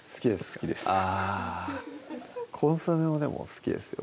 好きですコンソメもでも好きですよ